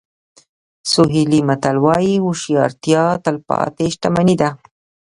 سوهیلي متل وایي هوښیارتیا تلپاتې شتمني ده.